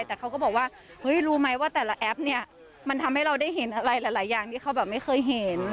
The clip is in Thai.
แต่เขาก็บอกว่าเฮ้ยรู้ไหมว่าแต่ละแอปเนี่ยมันทำให้เราได้เห็นอะไรหลายอย่างที่เขาแบบไม่เคยเห็น